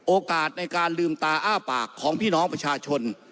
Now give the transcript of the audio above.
โอกาสในการลืมตาอ้าปากของพี่น้องประชาชน